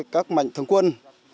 các mạnh thường quân